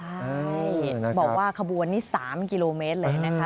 ใช่บอกว่าขบวนนี้๓กิโลเมตรเลยนะคะ